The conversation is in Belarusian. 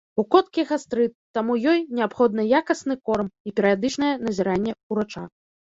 У коткі гастрыт, таму ёй неабходны якасны корм і перыядычнае назіранне ўрача.